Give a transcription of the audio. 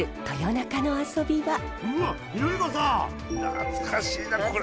懐かしいなこれ。